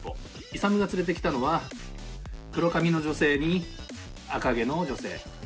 イサムが連れてきたのは黒髪の女性に赤毛の女性。